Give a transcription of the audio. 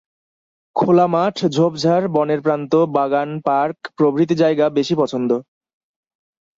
খোলা মাঠ, ঝোপঝাড়, বনের প্রান্ত, বাগান, পার্ক প্রভৃতি জায়গা বেশি পছন্দ।